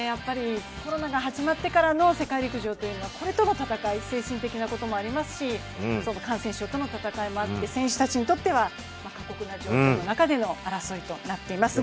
コロナが始まってからの世界陸上というのは、これとの戦い、精神的なところもありますし感染症との戦いもあって選手たちにとっては過酷な状況の中での争いとなっています。